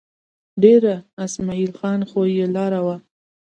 دېره اسمعیل خان خو یې لار وه.